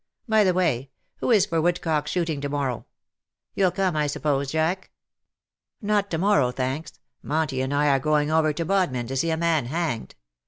By the way, who is for woodcock shooting to morrow ? You^ll come, I suppose, Jack?'^ "Not to morrow, thanks. Monty and I arc going over to Bodmin to see a man hanged.